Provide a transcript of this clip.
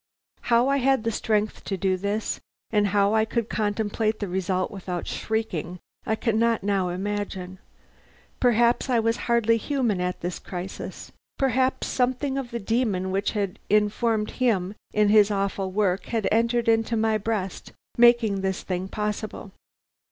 "How I had strength to do this, and how I could contemplate the result without shrieking, I cannot now imagine. Perhaps I was hardly human at this crisis; perhaps something of the demon which had informed him in his awful work had entered into my breast, making this thing possible.